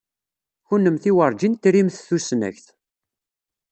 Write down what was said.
Kennemti werǧin trimt tusnakt.